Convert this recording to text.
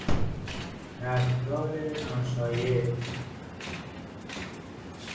رفتار ناشایست